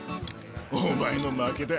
お前の負けだ。